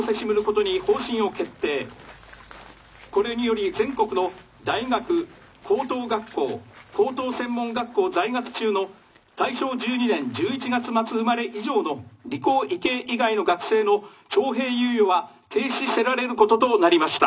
これにより全国の大学高等学校高等専門学校在学中の大正１２年１１月末生まれ以上の理工医系以外の学生の徴兵猶予は停止せられることとなりました」。